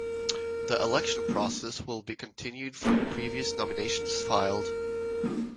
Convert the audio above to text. The election process will be continued from the previous nominations filed.